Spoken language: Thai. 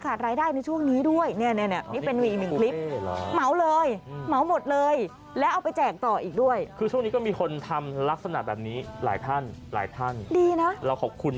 คือช่วงนี้ก็มีคนทำลักษณะแบบนี้หลายท่านหลายท่าน